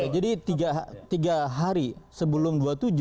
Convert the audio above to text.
jadi tiga hari sebelum dua puluh tujuh